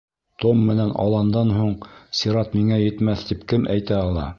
Том менән Аландан һуң сират миңә етмәҫ, тип кем әйтә ала?